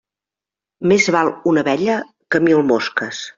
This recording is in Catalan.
Més val una abella que mil mosques.